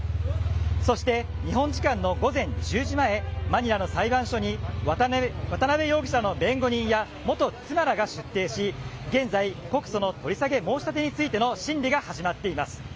そして日本時間の午前１０時前、マニラの裁判所に渡辺容疑者の弁護人や元妻らが出廷し、現在、告訴の取り下げ申し立てについての審理が始まっています。